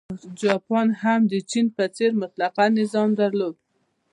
جاپان هم د چین په څېر مطلقه نظام درلود.